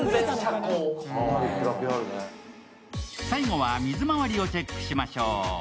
最後は水まわりをチェックしましょう。